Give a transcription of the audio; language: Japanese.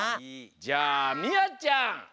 じゃあみあちゃん！